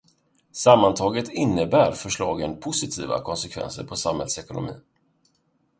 Sammantaget innebär förslagen positiva konsekvenser på samhällsekonomin.